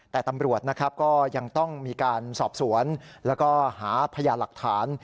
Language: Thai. แต่ตำรวจนะครับก็ยังต้องมีการสอบสวนแล้วก็หาพยานหลักฐาน